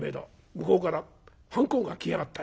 向こうから半公が来やがったよ。